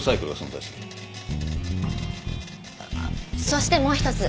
そしてもう一つ。